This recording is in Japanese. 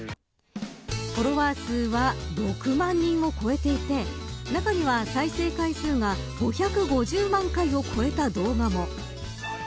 フォロワー数は６万人を超えていて中には、再生回数が５５０万回を超えた動画も。